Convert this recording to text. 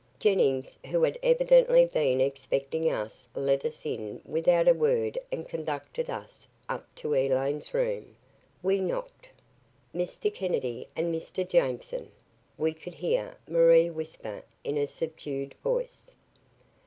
Jennings who had evidently been expecting us let us in without a word and conducted us up to Elaine's room. We knocked. "Mr. Kennedy and Mr. Jameson," we could hear Marie whisper in a subdued voice.